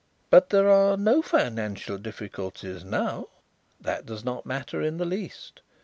"But there are no financial difficulties now." "That does not matter in the least.